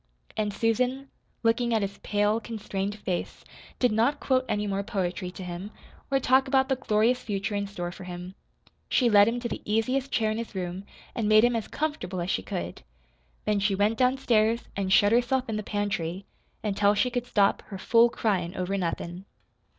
And Susan, looking at his pale, constrained face, did not quote any more poetry to him, or talk about the glorious future in store for him. She led him to the easiest chair in his room and made him as comfortable as she could. Then she went downstairs and shut herself in the pantry until she could stop her "fool cryin' over nothin'."